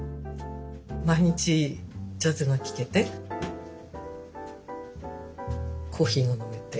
毎日ジャズが聴けてコーヒーが飲めて。